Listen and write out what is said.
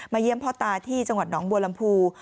เยี่ยมพ่อตาที่จังหวัดหนองบัวลำพู